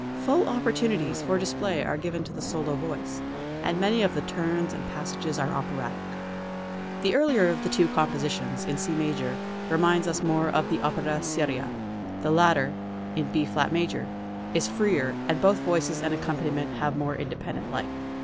Full opportunities for display are given to the solo voice, and many of the turns and passages are operatic. The earlier of the two compositions, in C major, reminds us more of opera seria; the later, in B flat major, is freer, and both voices and accompaniment have more independent life.